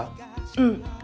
うん。